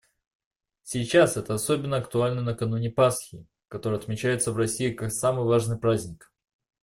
Сейчас это особенно актуально накануне Пасхи, которая отмечается в России как самый важный праздник.